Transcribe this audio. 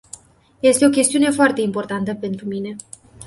Este o chestiune foarte importantă pentru mine.